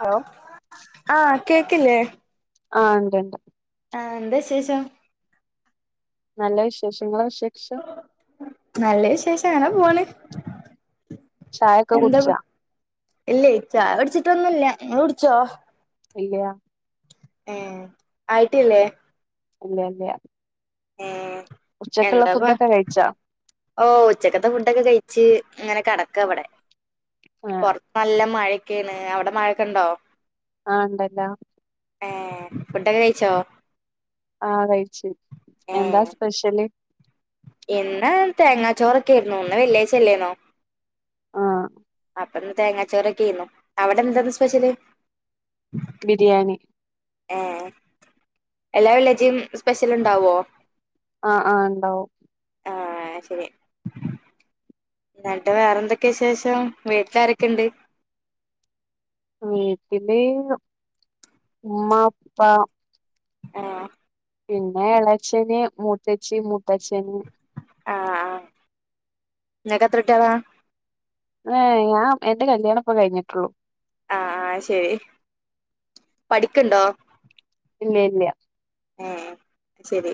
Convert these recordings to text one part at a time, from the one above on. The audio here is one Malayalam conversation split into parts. ഹലോ ആഹ് കേക്ക്ല്ലേ? ആഹ് ഇണ്ട്ണ്ട് ആഹ് ന്താ വിശേഷം? നല്ല വിശേഷം ഇങ്ങളെ വിശേഷം നല്ല വിശേഷം അങ്ങനെ പോണ് ചായക്കെ എന്താ കുടിച്ചാ? ഇല്ലേ ചായ കുട്ച്ചിട്ടൊന്നുല്ലാ ഇങ്ങള് കുട്ച്ചോ? ഇല്ല്യ ഏഹ് ആയിട്ടില്ലേ? ഇല്ല്യ ല്ല്യ ആഹ് ഉച്ചക്ള്ളെ ഫുഡൊക്കെ കഴിച്ചൊ? ഓ ഉച്ചക്കത്തെ ഫുഡൊക്കെ കഴിച്ച് ഇങ്ങനെ കേടക്കാ ഇവടെ [unintelligible] പൊർത്ത് നല്ല മഴൊക്കെണ് അവിടെ മഴൊക്കെണ്ടോ? ആഹ് ഇണ്ടല്ലോ ഏഹ് ഫുഡൊക്കെ കഴിച്ചോ? ആഹ് കഴിച്ച് എന്താ ഏഹ് സ്പെഷ്യല്? ഇന്ന് തേങ്ങാച്ചോറൊക്കെ ഏയ്രുന്നു ഇന്ന് വെള്ളിയാഴ്ചല്ലേന്നോ ആഹ് അപ്പ ന്ന് തേങ്ങാച്ചോറൊക്കെ ഏന്നു അവിടെന്താന്ന് ഇന്ന് സ്പെഷ്യല്? ബിരിയാണി ഏഹ് എല്ലാ വെള്ളിയാഴ്ച്ചിം സ്പെഷ്യല് ഇണ്ടാവോ? ആഹ് ആഹ് ഇണ്ടാവും ആഹ് ശെരി ഇന്നട്ട് വേറെന്തൊക്കെ വിശേഷം വീട്ടിലാരൊക്കെണ്ട്? വീട്ടില് ഉമ്മ, ഉപ്പ ആഹ് പിന്നെഎളച്ചന്, മൂത്തച്ചി, മൂത്തച്ഛന് ആഹ് ആഹ് ഇങ്ങക്ക് എത്ര കുട്യളാ? ഏഹ് ഞാം എന്റെ കല്യാണ പ്പം കഴിഞ്ട്ടൊള്ളൂ ആഹ് ആഹ് ശെരി പഠിക്ണ്ടോ? ഇല്ലെ ഇല്ലെ ഏഹ് ശെരി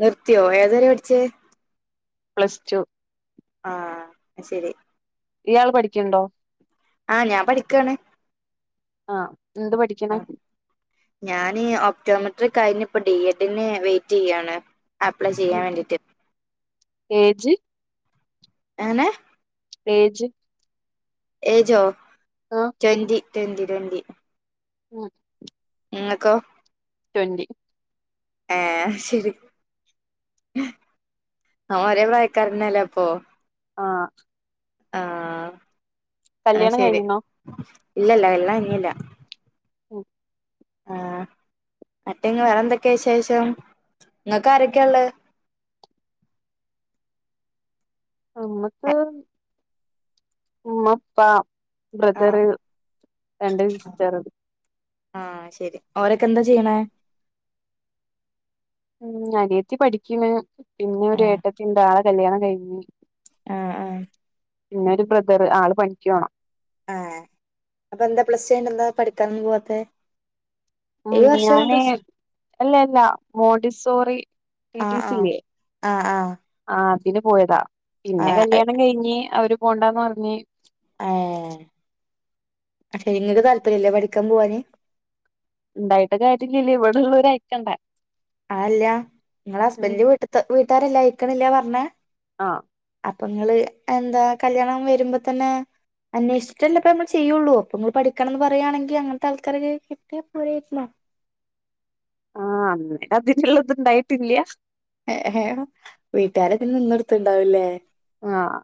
നിർതിയൊ ഏതരെ പഠ്ച്ചേ? പ്ലസ് ടു ആഹ് ശെരി ഇയാൾ പഠിക്കിണ്ടോ ആഹ് ഞാൻ പഠിക്കാണ് ആഹ് എന്ത് പഠിക്കണെ ഞാൻ ഒക്ടോമെട്രിക് കഴിഞ്ഞ് ഇപ്പ ഡി എഡിന് വെയിറ്റ് ചെയ്യാണ് അപ്ലൈ ചെയ്യാൻ വേണ്ടീയിട്ട്. ഏജ് എങ്ങനെ ഏജ് ഏജോ ആഹ് ട്വന്റി ട്വന്റി ട്വന്റി ഉം നിങ്ങക്കൊ ട്വന്റി ഏ ശരി നമ്മളൊരേപ്രായക്കാരതന്നല്ലേ അപ്പൊ ആഹ് ആഹ് അയ് കല്യാണം ശരി കഴിഞ്ഞിണോ ഇല്ലയില്ല കല്യാണം കഴിഞ്ഞീല്ല. ഉം ആഹ് അറ്റങ്ങ് വേറെ എന്തൊക്കെയ വിശേഷം ഇങ്ങൾക്കാരൊക്കെയാ ഇള്ള് നമ്മക്ക് ഉമ്മ ഉപ്പാ ആഹ് ബ്രദറ് രണ്ട് സിസ്റ്റർ ആഹ് ശരി ഓരൊക്കെ എന്താ ചെയ്യണെ ഉം അനിയത്തി പഠിക്കണ് പിന്നെ ഒരു ആഹ് ഏട്ടത്തിയിണ്ട് അവളെ കല്യാണം കഴിഞ്ഞ്- ആഹ് ആഹ് പിന്നെ ഒരു ബ്രദറ് ആള് പണിക്ക്‌ പോണ് ആഹ് അപ്പം എന്താ പ്ലസ് റ്റു കയിഞ്ഞന്താ പഠിക്കാനൊന്നും പോവാത്തെ? ഉം ഈ വർഷം ഞാന് പ്ലസ് അല്ലല്ല മോഡി സോറി ടി ആഹ് ടി സി ആഹ് ഇല്ലേ ആഹ് ആഹ് ആഹ് അതിന് പോയതാ പിന്നെ ആഹ് കല്യാണം കഴിഞ്ഞ് അവര് പോണ്ടാന്ന് പറഞ്ഞ് ആഹ് ഏഹ് അത്ശരി ഇങ്ങക്ക് താല്പര്യല്ലേ പഠിക്കാൻ പോവാന് ഉണ്ടായിട്ട് കാര്യല്ലല്ലോ ഇവിടെള്ളോര് അയക്കണ്ടേ അതല്ല ഇങ്ങളെ ഉം ഹസ്ബന്റിന്റെ വീട്ട് ത്തെ വീട്ടാരല്ലേ അയിക്കണില്ല പറഞ്ഞേ ആഹ് അപ്പൊങ്ങള് എന്താ കല്യാണം വരുമ്പോ തന്നെ- അന്വേഷിച്ചിട്ട്ല്ലോ ഇപ്പൊ നമ്മള് ചെയ്യൊള്ളൂ അപ്പൊ നിങ്ങള് പഠിക്കണംന്ന് പറയാണെങ്കിൽ അങ്ങനത്തെ ആൾക്കാരൊക്കെ കെട്ടിയാ പോരായ്ന്നോ ആഹ് അന്ന് അതിനുള്ള ഇത്ണ്ടായിട്ടില്ല. വീട്ടുകാരുടെ ഇതിന് നിന്നൊടുത്ത്ണ്ടാവൂല്ലേ ആഹ്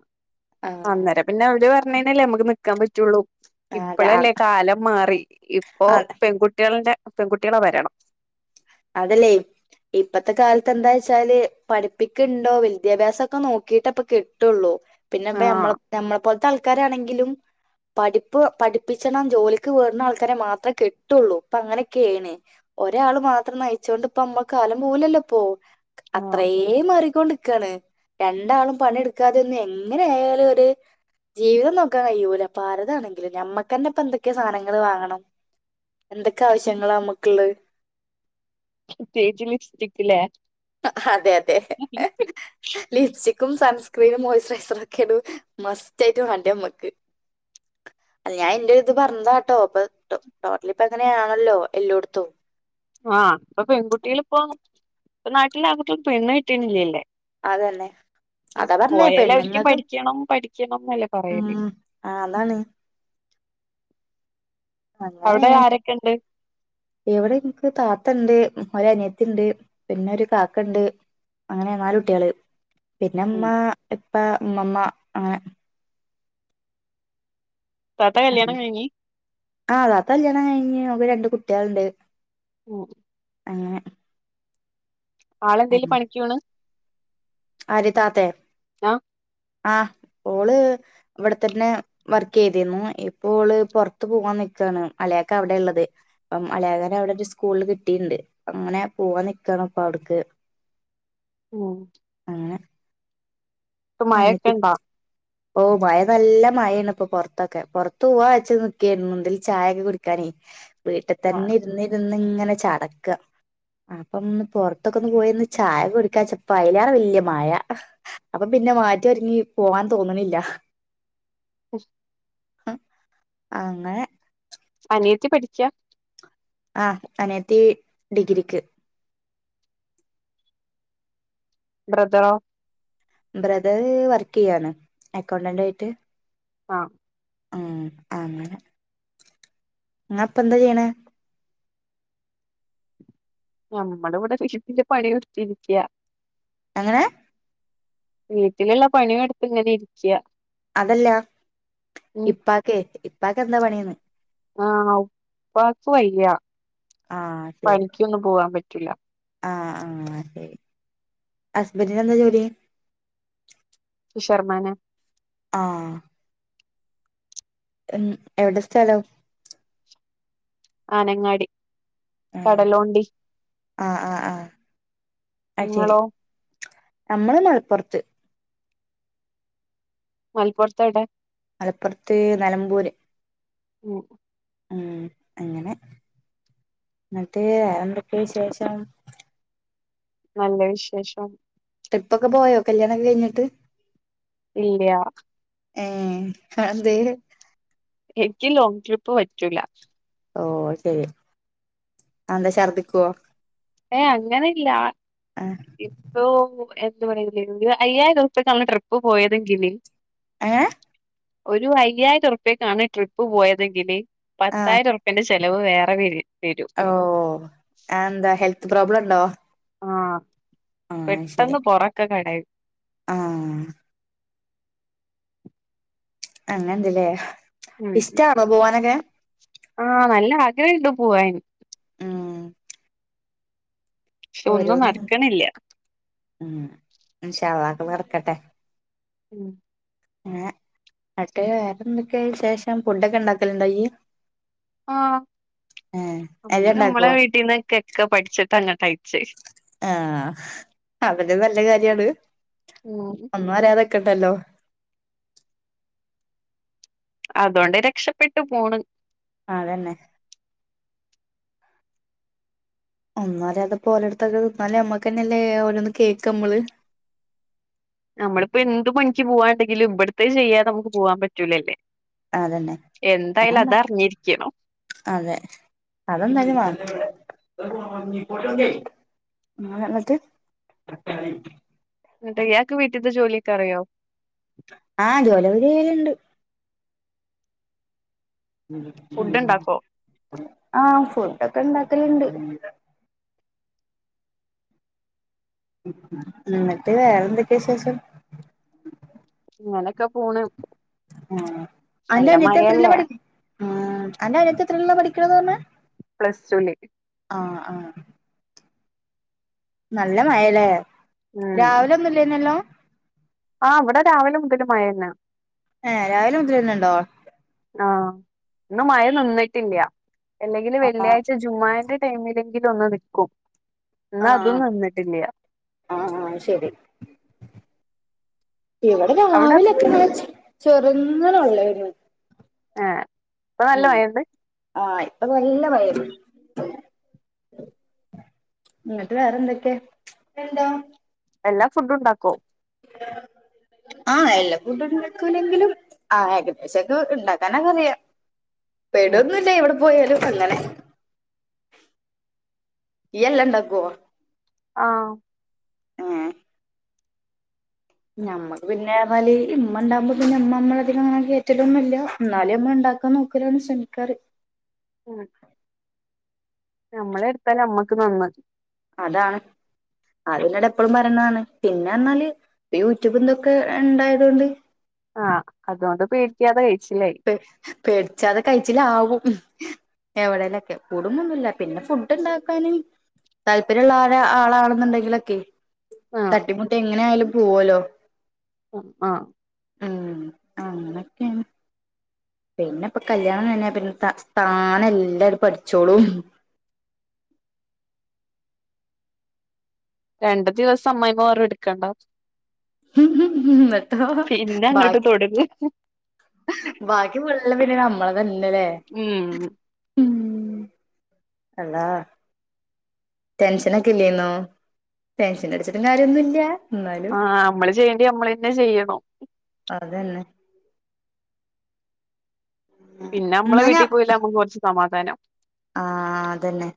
അന്നേരം പിന്നെ അവര് പറഞ്ഞേന്നല്ലേ നമുക്ക് നിക്കാൻ പറ്റുള്ളൂ. അതെ ഇപ്പളല്ലേ കാലം മാറി ഇപ്പോ അഹ് പെൺകുട്ടികളിന്റെ പെൺകുട്ടികളെ വരണം അതല്ലേ ഇപ്പത്തെ കാലത്ത് എന്താ വെച്ചാല് പഠിപ്പിക്കുണ്ടോ വിദ്യാഭ്യാസൊക്കെ നോക്കിട്ട ഇപ്പൊ കെട്ടൊള്ളു പിന്നെപ്പ ആഹ് നമ്മളെ പോലത്തെ ആൾക്കാരാണെങ്കിലും- പഠിപ്പ് പഠിപ്പിച്ചെണ്ണം ജോലിക്ക് വിടുന്ന ആൾക്കാരെ മാത്രേ കെട്ടുള്ളൂ ഇപ്പൊ അങ്ങനെയാ ചെയ്യണേ ഒരാള് മാത്രം നയിച്ചൊണ്ട് ഇപ്പ നമ്മ കാലം പോവൂലല്ലോ ഇപ്പോ അത്രയും- [unintelligible] മാറിക്കൊണ്ട്ക്കാണ് രണ്ടാളും പണിടുക്കാതെ ഒന്നും എങ്ങനെ ആയാലും ഒരു- ജീവിതം നോക്കാൻ കഴിയൂല ഇപ്പ ആരതാണെങ്കിലും ഞമ്മക്ക് തന്നെ ഇപ്പൊ എന്തൊക്കെയോ സാധനങ്ങള് വാങ്ങണം. എന്തൊക്കെ ആവശ്യങ്ങളാ നമ്മക്കുള്ളത് പ്രത്യേകിച്ച് ലിപ്സ്റ്റിക്ക് ഇല്ലേ അതെ അതെ ലിപ്സ്റ്റിക്കും സൺസ്ക്രീനും മോയ്സ്റ്ററൈസറൊക്കെയാണ് മസ്റ്റ് ആയിട്ട് വേണ്ടേ നമ്മക്ക് അല്ല ഞാൻ ഇന്റെ ഒരിത് പറഞ്ഞതാട്ടോ ഇപ്പ [unintelligible] ട്ടോ ടോട്ടല് ഇപ്പ അങ്ങനെയാണല്ലോ എല്ലോട്ത്തും ആഹ് ഇപ്പൊ പെൺകുട്ടികളിപ്പോ ഇപ്പ നാട്ടിലാങ്കുട്യാൾക്ക് പെണ്ണ് കിട്ടീണില്ലല്ലേ അതന്നെ അതാ പറഞ്ഞേ പോയാലവരിക്ക് പെണ്ണുങ്ങൾക്ക് പഠിക്കണം പഠിക്കണംന്നല്ലേ പറയല് ഉം ആ അതാണ് അവിടെ ആരൊക്കെണ്ട് ഇവിടെനിക്ക് താത്തണ്ട് ഒരനിയത്തിണ്ട് പിന്നെരു കാക്കണ്ട് അങ്ങനെ നാല് കുട്ട്യേള് ഉം പിന്നെമ്മാ ഇപ്പാ ഉമ്മമ്മ അങ്ങനെ താത്ത കല്ല്യാണം കഴിഞ്ഞി ആഹ് താത്ത കല്ല്യാണം കഴിഞ്ഞ് ഓൾക്ക് രണ്ട് കുട്ട്യേള്ണ്ട് ഉം അങ്ങനെ ആളെന്തേലും പണിക്കോണ് ആര് താത്തേ ആ ആഹ് ഓള് ഇവിടെത്തന്നേ വർക്കീതിരുന്നു ഇപ്പോള് പൊറത്ത് പോവ്വാൻ നിക്കാണ് അളിയാക്ക അവിടെള്ളത് അപ്പം അളിയാക്കാന്റവടെ ഒരു സ്കൂളിൽ കിട്ടീണ്ട് അങ്ങനെ പോവ്വാൻ നിക്കാണ് അപ്പവിട്ക്ക് ഉം അങ്ങനെ ഇപ്പൊ മഴൊക്കെ അനിയത്തി ഇണ്ടാ ഓ മയ നല്ല മയേണ്പ്പൊ പൊറത്തൊക്കെ പൊറത്തൂവ്വാ വെച്ച് നിക്കേരുന്നുന്തേൽ ചായൊക്കെ കുടിക്കാനേ വീട്ടിത്തന്നെ ആഹ് ഇര്ന്നിരുന്ന് ഇങ്ങനെ ചടക്കാ അപ്പംന്ന് പൊറത്തൊക്കൊന്ന് പോയൊന്ന് ചായ കുടിക്കാച്ചപ്പ അയ്ലേറെ വല്ല്യേ മയ അപ്പം പിന്നെ മാറ്റി ഒരുങ്ങി പോവാൻ തോന്ന്ണില്ല കുഷ് അങ്ങനെ അനിയത്തി പഠിക്ക ആഹ് അനിയത്തീ ഡിഗ്രിക്ക് ബ്രദറോ ബ്രദർ വർക്ക്യ്യാണ് അക്കൗണ്ടന്റായിട്ട് ആഹ് ഉം അങ്ങനെ ഇങ്ങപ്പന്താ ചെയ്യണേ ഞമ്മള്വ്ടെ വീട്ടില് പണിയെട്ത്തിരിക്ക്യാ എങ്ങനേ വീട്ടില്ള്ള പണിയെടുത്ത്ങ്ങനെ ഇരിക്ക്യാ അതല്ലാ ഇപ്പാക്കേ ഇപ്പാക്കെന്താ പണീന്ന് ആഹ് ഉപ്പാക്ക് വയ്യ ആഹ് പണിക്കൊന്നും പോവ്വാൻ പറ്റില്ല ആഹ് ആഹ ശരി ഹസ്ബന്റിനെന്താ ജോലി ഫി ശർമാനെ ആഹ് ഉം എവടെ സ്ഥലം ആനങ്ങാടി ഉം കടലുണ്ടി ആ ആ ആ ഇങ്ങളോ ഞമ്മള് മലപ്പുറത്ത് മലപ്പുറത്തെവടെ മലപ്പുറത്ത് നി ലമ്പൂര് ഉം ഉം അങ്ങനെ ന്നിട്ട് വേറെന്തൊക്കേ വിശേഷം നല്ല വിശേഷം ട്രിപ്പൊക്കെ പോയോ കല്ല്യാണൊക്കെ കഴിഞ്ഞിട്ട് ഇല്ല്യാ ഏ അതെന്തേ എനിക്ക് ലോങ്ങ് ട്രിപ്പ് പറ്റൂല ഓ ശരി എന്താ ഛർദിക്കുവോ ഏഹ് അങ്ങനെല്ല ആഹ് ഇപ്പൊ എന്ത് പറല അയ്യായിരം ദിവസത്തേക്ക് നമ്മള് ട്രിപ്പ് പോയതെങ്കിൽ ഏഹ് ഒരു അയ്യായിരം ഉറുപക്കാണ് ട്രിപ്പ് പോയതെങ്കിൽ ആഹ് പത്തായിരംറ എന്റെ ചെിലവ് വേറെ വ വരും ഓ അഎന്താ ഹെൽത്ത് പ്രോബ്ലം ഉണ്ടോ ആഹ് ആഹ് ശരി പുറൊക്കെ കട ആഹ് അങ്ങനെന്തല്ലേ ഉം ഇഷ്ടാണോ പോവാനൊക്കെ ആഹ് നല്ല ആഗ്രഹംണ്ട് പോവന് ഉം പക്ഷെ ഒന്നും ഓരോന്ന് നടക്കണില്ല ഉം ഇനുശള്ളക്കെ നടക്കട്ടെ ഉം ഏഹ് അട്ടേ വേറെന്തൊക്കെ ശേഷം ഫുഡൊക്കെ ഉണ്ടാക്കലുണ്ടോയ ആഹ് ഏഹ് എല്ലാം നമ്മള് നമ്മളെ ഉണ്ടാക്കുവോ വീട്ടിൽന്ന്ക്കക്കെ പഠിച്ചിട്ട് അങ്ങട്ടയിച്ചേ ആഹ് അതൊരു നല്ല കാര്യാണ് ത് ഉം ഒന്നും അറിയതൊക്കെണ്ടല്ലോ അതുകൊണ്ട് രക്ഷപ്പെട്ടു പോണ് ആതന്നെ ഒന്നാലേ അതപ്പോ ഓലടത്തൊക്കെ നിന്നാലേ നമ്മക്ക്ന്നെല്ലേ ഓരോന്ന് കേൾക്ക നമ്മള് നമ്മളിപ്പോ എന്ത് പണിക്ക് പോവാണ്ടെങ്കിലും ഇവിടത്തെ ചെയ്യാതെ നമുക്ക് പോകവാൻ പറ്റൂലല്ലേ അതന്നെ എന്തായാലും അത് അതന്നെ അറിഞ്ഞിരിക്കണം അതെ അതെന്തായാലും മാ ആഹ്ന്നിട്ട് അഹ് ഇയാൾക്ക് വീട്ടിന്റെ ജോലിയൊക്ക് അറിയോ ആഹ് ജോലപരിലുണ്ട് ഫുഡ് ഉണ്ടാക്കോ ആഹ് ഫുഡൊക്കെ ഉണ്ടാക്കലുണ്ട് ഉം മട്ടത എന്തൊക്കെയ വി ശേഷം അങ്ങനൊക്കെ പോണ് എന്റെറെ നല്ല അന്നത്തെ ത്രില് മഴയല്ലേ പഠ എന്റെറെ അത്തെ ത്രില്ല പഠിക്കണന്ന് പറഞ്ഞ പ്ലസ് റ്റൂല് ആഹ് ആഹ് നല്ല മഴല്ലേ ഉം രാവിലെ ഒന്നുംല്ലന്നല്ലോ ആഹ് ഇവിടെ രാവിലെ മുതൽ മഴ തന്നെ ഏഹ് രാവിലെ മുതിൽ വന്നണ്ടോ ആഹ് ഒന്ന്മഴ നിന്നിട്ടില്ല അല്ലെങ്കില് ആഹ് വെള്ളിയാഴ്ച ജുമ്മാന്റെ ടൈമിലെങ്കിലും ഒന്ന് വിൽക്കും ആഹ് എന്നാ ആഹ് അതൊന്നും നിന്നിട്ടില്ല ആഹ് ആ യ്ശരി ഇവിടെ അവിടെ [unintelligible] ചെറുങ്ങന ഉള്ളായിരുന്നു ആഹ് ഇപ്പൊ നല്ല ഉം മയണ്ട് ആഹ് ഇപ്പൊ നല്ല മഴണ്ട് എന്നങ്ങട്ട് വേറെന്തൊക്കെ എന്തോ എല്ലാ ഫുഡ്ണ്ടാക്കോ ആഹ് എല്ലാ ഫുഡുണ്ടാക്കൂല്ലെങ്കിലും ആഹ് ഏകദേശൊക്കെ ഇണ്ടാക്കാനക്കെ അറിയ ഉം പെടൊന്നുല്ല എവിടെ പോയാലും അങ്ങനെ ഇയ്യ് എല്ലണ്ടാക്കോ ആഹ് ഏഹ് ഞമ്മക്ക് പിന്നേറ്ഞ്ഞാല് ഇമ്മ ഇണ്ടാവുമ്പോ പിന്നെ ഇമ്മ നമ്മളധികങ്ങനെ കേറ്റെലൊന്നുല്ല ഇന്നാലും നമ്മള് ഇണ്ടാക്കാൻ നോ ക്കലാണ് ശ്രമിക്കാറ് ഉം നമ്മളെട്ത്താല് നമ്മക്ക് നന്ന് അതാണ് അത് ഇന്നോട് എപ്പളും പറീണാണ് പിന്നെറ്ഞ്ഞാല് ഇപ്പ യൂട്യൂബ് ഇതൊക്കെ ഇണ്ടായതോണ്ട് ആഹ് അതോണ്ട് പേടിക്കാതെ കഴിച്ചിലായി പേടിച്ചാതെ കഴിച്ചിലാവും എവിടെേലൊക്കെ കൂട്ങ്ങോന്നുല്ല പിന്നെ ഫുഡ് ഇണ്ടാക്കാനും താല്പര്യള്ളരാ ആളാണ്ന്ന്ണ്ടെങ്കിലൊക്കെ ആഹ് തട്ടിമുട്ടി എങ്ങനെയാലും പോവല്ലോ ഉം ആഹ് ഉം അങ്ങനൊക്ക്യാണ് പിന്നെപ്പ കല്യാണം കഴിഞ്ഞ പിന്നെ ത താനെ എല്ലാണ്ട് പഠിച്ചോളും രണ്ട് ദിവസം അമ്മമായിമ്മ പറിം ഇട്ക്കണ്ടാന്ന് ഇന്നട്ടോ പിന്നെ ബാ അങ്ങോട്ട് തൊടങ്ങും ബാക്കി ഫുള്ള് പിന്നെ നമ്മളെതെന്നെല്ലേ ഉം മ്മ് അള്ളാ ടെൻഷനൊക്കെ ഇല്ലേന്നോ ടെൻഷനടിച്ചിട്ടും കാര്യോന്നും ഇല്ല ആഹ് നമ്മള് ചെയ്യേണ്ട്യ നമ്മളന്നെ ചെയ്യണം അതന്നെ പിന്നെ നമ്മള എന്നാ വീട്ടി പോയില്ല നമുക്ക് കൊറച്ച് സമാധാനം ആഹ് അതന്നെ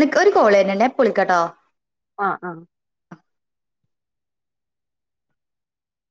നിക്ക് ഒര് കോളെര്ന്ണ്ട് ഞാൻ ഇപ്പൊ വിളിക്കട്ടോ ആഹ് ആഹ്